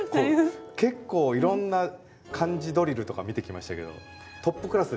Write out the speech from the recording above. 結構いろんな漢字ドリルとか見てきましたけどトップクラスででかいです。